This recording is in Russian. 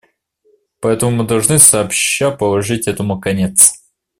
Поэтому мы должны сообща положить этому конец.